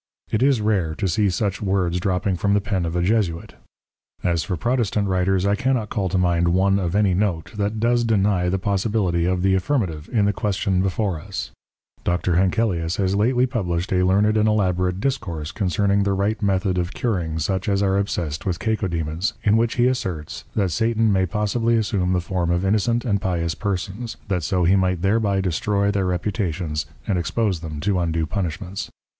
_ It is rare to see such Words dropping from the Pen of a Jesuit: As for Protestant Writers, I cannot call to mind one of any Note, that does deny the Possibility of the Affirmative, in the Question before us. Dr. Henkelius has lately published a learned and elaborate Discourse concerning the right Method of curing such as are obsessed with Cacodæmons, in which he asserts, that _Satan may possibly assume the Form of innocent and pious Persons, that so he might thereby destroy their Reputations, and expose them to undue Punishments.